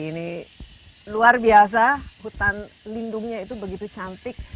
ini luar biasa hutan lindungnya itu begitu cantik